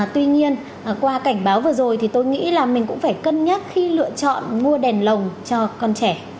tuy nhiên qua cảnh báo vừa rồi thì tôi nghĩ là mình cũng phải cân nhắc khi lựa chọn mua đèn lồng cho con trẻ